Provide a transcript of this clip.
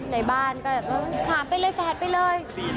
ในบ้านก็อยากเออ๓ไปเลยแฟนไปเลย